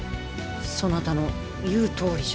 そなたの言うとおりじゃ。